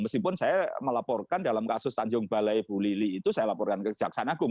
meskipun saya melaporkan dalam kasus tanjung balai ibu lili itu saya melaporkan kejaksanagung